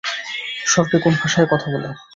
স্বর্গে কোন ভাষায় কথা বলে?